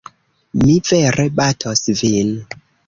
Mi vere batos vin!